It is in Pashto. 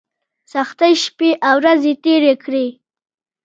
سختۍ شپې او ورځې تېرې کړې.